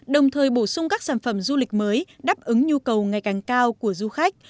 đồng thời bổ sung các sản phẩm du lịch mới đáp ứng nhu cầu ngày càng cao của du khách